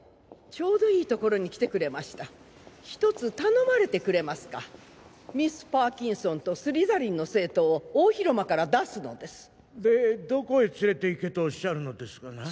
ちょうどいいところに来てくれました一つ頼まれてくれますかミス・パーキンソンとスリザリンの生徒を大広間から出すのですでどこへ連れていけとおっしゃるのですかな？